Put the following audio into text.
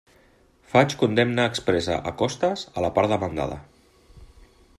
Faig condemna expressa a costes a la part demandada.